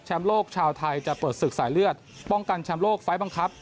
โลกชาวไทยจะเปิดศึกสายเลือดป้องกันแชมป์โลกไฟล์บังคับ